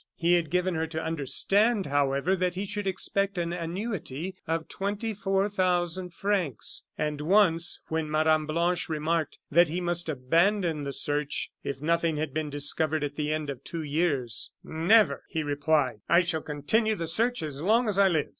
He had given her to understand, however, that he should expect an annuity of twenty four thousand francs; and once, when Mme. Blanche remarked that he must abandon the search, if nothing had been discovered at the end of two years: "Never," he replied: "I shall continue the search as long as I live."